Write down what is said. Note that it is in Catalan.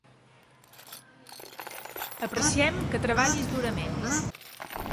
Apreciem que treballis durament.